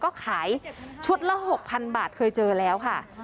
ก็ขายชุดละ๖๐๐๐บาทเคยเจอแล้วค่ะ